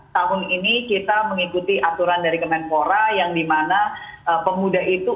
tahun ini kita mengikuti aturan dari kemenpora yang dimana pemuda itu